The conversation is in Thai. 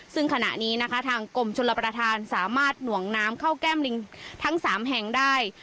ซึ่งขณะนี้นะคะทางกรมชลประธานสามารถหน่วงน้ำเข้าแก้มลิงทั้ง๓แห่งได้